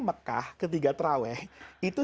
mekah ketiga terawih itu